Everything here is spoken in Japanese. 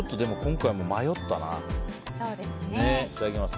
いただきます。